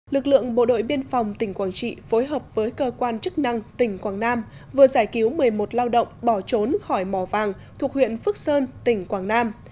lực lượng bộ đội biên phòng tỉnh quảng trị phối hợp với cơ quan chức năng tỉnh quảng nam vừa giải cứu một mươi một lao động bỏ trốn khỏi mò vàng thuộc huyện phước sơn tỉnh quảng nam